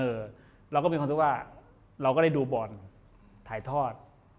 เราก็มีความรู้สึกว่าเราก็ได้ดูบอลถ่ายทอด